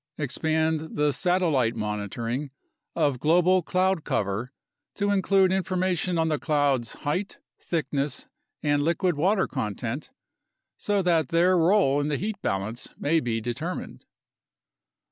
Expand the satellite monitoring of global cloud cover to include information on the clouds' height, thickness, and liquid water content, so that their role in the heat balance may be determined.